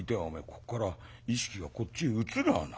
ここから意識がこっちへ移るわな。